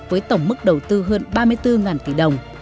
với tổng mức đầu tư hơn ba mươi bốn tỷ đồng